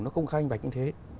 nó không khai anh bạch như thế